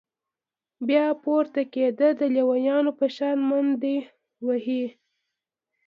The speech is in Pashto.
بيا پورته كېده د ليونيانو په شان منډې وهلې.